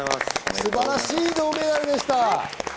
素晴らしい銅メダルでした。